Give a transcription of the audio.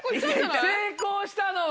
成功したのは？